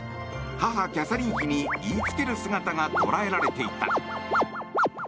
母キャサリン妃に言いつける姿が捉えられていた。